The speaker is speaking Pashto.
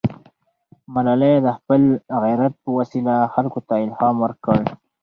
ملالۍ د خپل غیرت په وسیله خلکو ته الهام ورکړ.